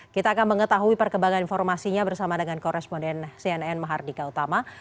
kita akan mengetahui perkembangan informasinya bersama dengan koresponden cnn mahardika utama